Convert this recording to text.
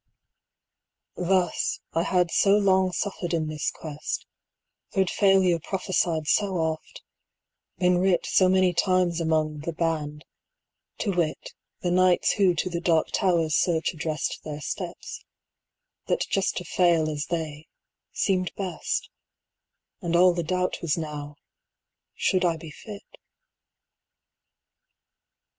Thus, I had so long suffered in this quest, Heard failure prophesied so oft, been writ So many times among "The Band" to wit, The knights who to the Dark Tower's search addressed 40 Their steps that just to fail as they, seemed best, And all the doubt was now should I be fit?